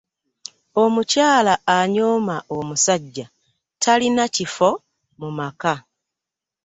Omukyala anyooma omusajja talina kifo mu maka!